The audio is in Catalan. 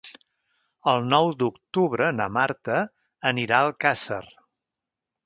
El nou d'octubre na Marta anirà a Alcàsser.